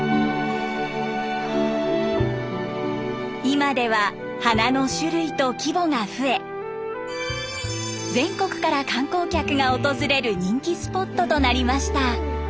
今では花の種類と規模が増え全国から観光客が訪れる人気スポットとなりました。